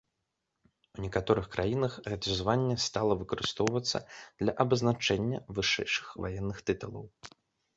У некаторых краінах гэта званне стала выкарыстоўвацца для абазначэння вышэйшых ваенных тытулаў.